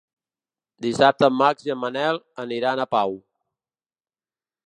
Dissabte en Max i en Manel aniran a Pau.